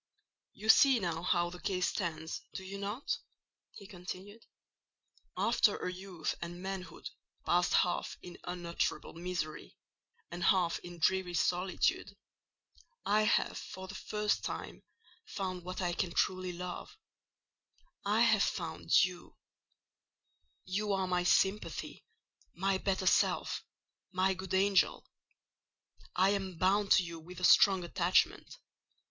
"You see now how the case stands—do you not?" he continued. "After a youth and manhood passed half in unutterable misery and half in dreary solitude, I have for the first time found what I can truly love—I have found you. You are my sympathy—my better self—my good angel. I am bound to you with a strong attachment.